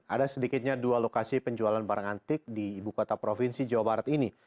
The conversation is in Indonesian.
ada sedikitnya dua lokasi penjualan barang antik di ibu kota provinsi jawa barat ini